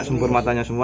sempurna tanya sempurna